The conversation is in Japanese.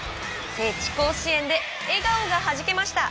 聖地・甲子園で笑顔がはじけました。